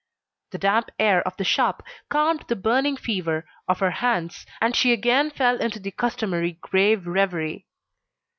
The damp air of the shop calmed the burning fever of her hands, and she again fell into the customary grave reverie.